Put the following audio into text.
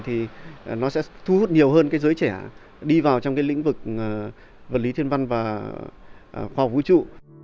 thì nó sẽ thu hút nhiều hơn cái giới trẻ đi vào trong cái lĩnh vực vật lý thiên văn và khoa học vũ trụ